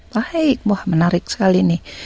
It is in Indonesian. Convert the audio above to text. baik wah menarik sekali nih